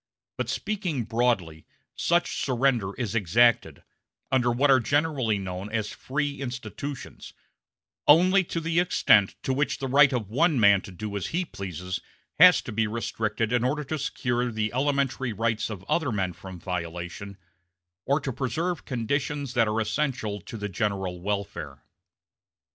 But speaking broadly, such surrender is exacted, under what are generally known as "free institutions," only to the extent to which the right of one man to do as he pleases has to be restricted in order to secure the elementary rights of other men from violation, or to preserve conditions that are essential to the general welfare.